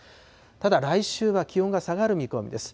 ただ来週は気温が下がる見込みです。